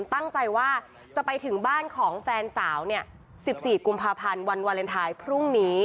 ตั้งใจว่าจะไปถึงบ้านของแฟนสาว๑๔กุมภาพันธ์วันวาเลนไทยพรุ่งนี้